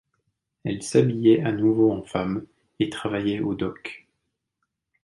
Elle s'habillait à nouveau en femme et travaillait aux docks.